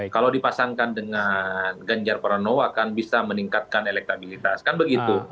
kalau dipasangkan dengan ganjar pranowo akan bisa meningkatkan elektabilitas kan begitu